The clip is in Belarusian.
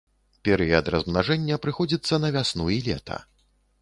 Перыяд размнажэння прыходзіцца на вясну і лета.